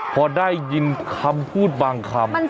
พอได้ยินคำพูดบางคำ